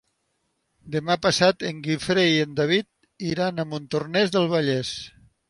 Demà passat en Guifré i en David iran a Montornès del Vallès.